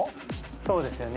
そうですよね。